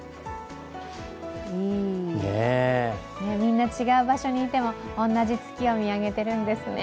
みんな違う場所にいても、同じ場所を見上げてるんですね。